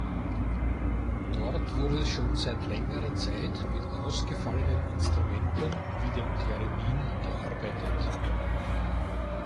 Dort wurde schon seit längerer Zeit mit ausgefallenen Instrumenten wie dem Theremin gearbeitet.